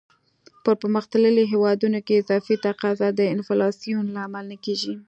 په پرمختللو هیوادونو کې اضافي تقاضا د انفلاسیون لامل نه کیږي.